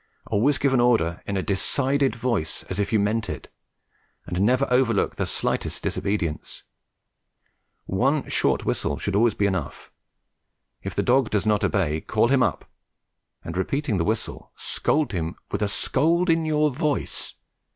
Always give an order in a decided voice as if you meant it, and never overlook the slightest disobedience. One short whistle should always be enough. If the dog does not obey, call him up and, repeating the whistle, scold him with a scold in your voice.